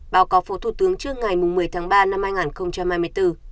báo cáo phó thủ tướng trước ngày một mươi tháng ba năm hai nghìn hai mươi bốn